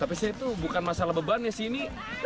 tapi saya itu bukan masalah beban ya ini